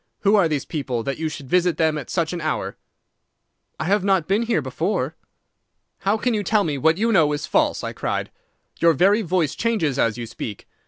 Who are these people, that you should visit them at such an hour?' "'I have not been here before.' "'How can you tell me what you know is false?' I cried. 'Your very voice changes as you speak.